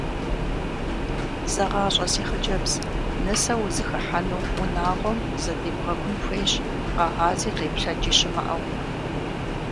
Зэгъащӏэ си хъыджэбз: нысэу узыхыхьэну унагъуэм задебгъэкӏун хуейщ, къэгъази къеплъэкӏи щымыӏэу.